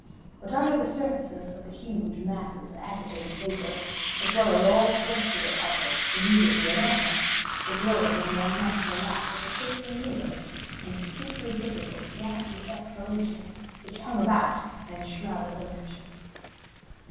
But the under surfaces of the huge masses of agitated vapor, as well as all terrestrial objects immediately around us, were glowing in the unnatural light of a faintly luminous and distinctly visible gaseous exhalation which hung about and enshrouded the mansion.